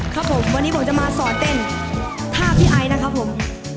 ครับผมวันนี้ผมจะมาสอนเต้นท่าพี่ไอนะครับผม